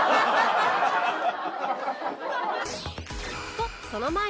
とその前に